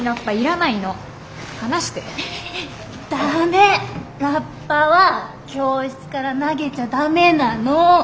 駄目ラッパは教室から投げちゃ駄目なの。